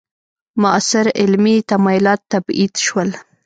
معاصر علمي تمایلات تبعید شول.